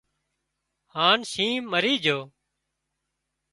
هانَ شينهن مرِي جھو